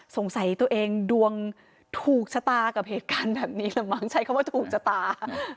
สงสัยตัวเองดวงถูกชะตากับเหตุการณ์แบบนี้แหละมั้งใช้คำว่าถูกชะตา